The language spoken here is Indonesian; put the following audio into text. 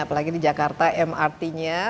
apalagi di jakarta mrt nya